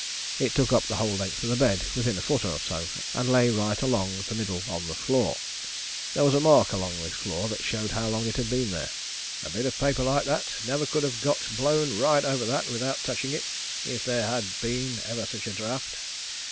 It took up the whole length of the bed within a foot or so, and lay right along the middle on the floor. There was a mark along the floor that showed how long it had been there. A bit of paper like that never could have got blown light over that without touching it if there had been ever such a draught.